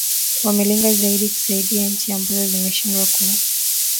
wamelenga zaidi kusaidia nchi ambazo zimeshindwa ku